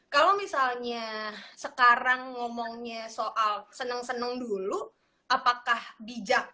kalau misalnya sekarang ngomongnya soal seneng seneng dulu apakah bijak